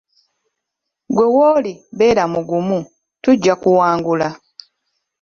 Ggwe w'oli beera mugumu, tujja kuwangula.